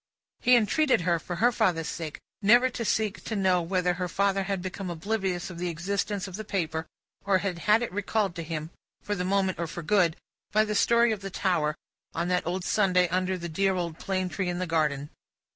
He entreated her, for her father's sake, never to seek to know whether her father had become oblivious of the existence of the paper, or had had it recalled to him (for the moment, or for good), by the story of the Tower, on that old Sunday under the dear old plane tree in the garden.